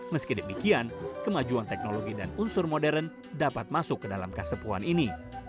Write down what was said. meski demikian kemajuan teknologi dan unsur modern dapat masuk ke dalam kasepuan ini